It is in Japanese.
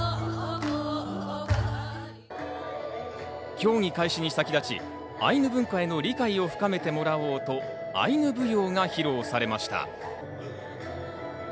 競技開始に先立ち、アイヌ文化への理解を深めてもらおうと、アイヌ舞踊が披露されました。